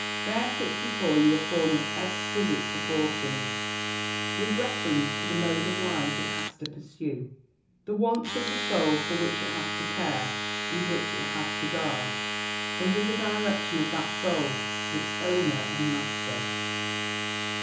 There sits before you a form of exquisite proportions, with reference to the mode of life it has to pursue the wants of the Soul for which it has to care, and which it has to guard, under the direction of that Soul, its owner and master.